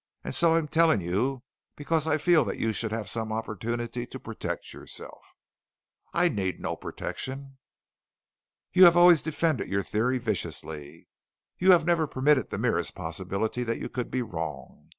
"And so I am telling you because I feel that you should have some opportunity to protect yourself." "I need no protection." "You have always defended your theory viciously. You have never permitted the merest possibility that you could be wrong.